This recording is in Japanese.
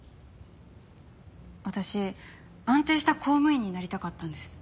私安定した公務員になりたかったんです。